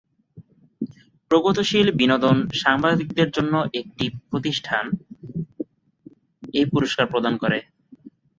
প্রগতিশীল বিনোদন সাংবাদিকদের জন্য একটি প্রতিষ্ঠান এই পুরস্কার প্রদান করে।